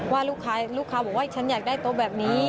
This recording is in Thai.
ว่าลูกค้าบอกว่าฉันอยากได้โต๊ะแบบนี้